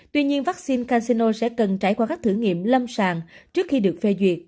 tuy nhiên vaccine casino sẽ cần trải qua các thử nghiệm lâm sàng trước khi được phê duyệt